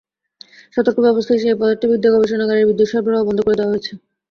সতর্ক ব্যবস্থা হিসেবে পদার্থবিদ্যা গবেষণাগারের বিদ্যুৎ সরবরাহ বন্ধ করে দেয়া হয়েছে।